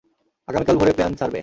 আগামীকাল ভোরে প্লেন ছাড়বে।